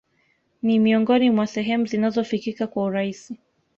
Ni miongoni mwa sehemu zinazofikika kwa urahisi